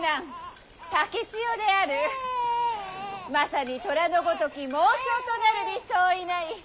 まさに寅のごとき猛将となるに相違ない。